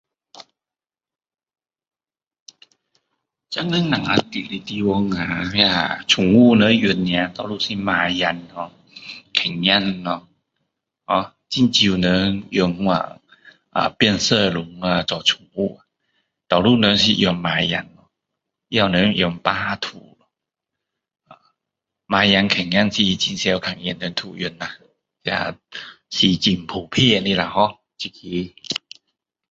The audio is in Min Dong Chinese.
现今我们住的地方啊，那宠物人养的啊多数是猫仔咯，狗仔咯，har 很少人养这样变色龙做宠物哦。多数人是养猫仔，也有人养白兔咯。ahh 猫仔，狗仔是很常看见人都养啦，那是很普遍的啦 har 这个。